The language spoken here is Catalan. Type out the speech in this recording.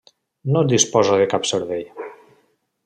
No disposa de cap servei.